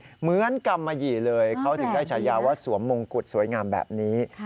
เหมือนกรรมหยี่เลยเขาถึงได้ฉายาว่าสวมมงกุฎสวยงามแบบนี้